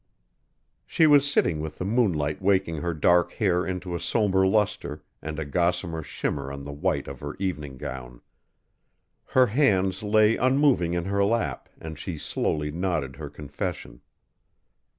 She was sitting with the moonlight waking her dark hair into a somber luster and a gossamer shimmer on the white of her evening gown. Her hands lay unmoving in her lap and she slowly nodded her confession.